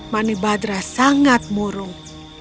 manibhadra sangat murung